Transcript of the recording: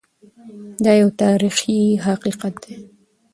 دا یو تاریخي حقیقت دی.